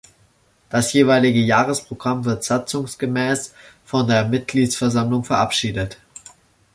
Das jeweilige Jahresprogramm wird satzungsgemäß von der Mitgliederversammlung verabschiedet.